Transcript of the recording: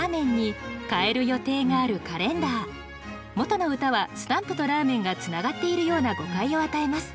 元の歌は「スタンプ」と「ラーメン」がつながっているような誤解を与えます。